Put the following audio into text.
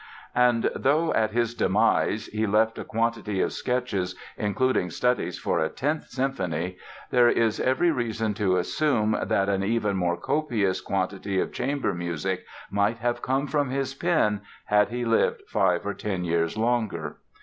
And though at his demise he left a quantity of sketches (including studies for a tenth symphony) there is every reason to assume that an even more copious quantity of chamber music might have come from his pen had he lived five or ten years longer.